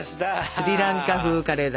スリランカ風カレーだ。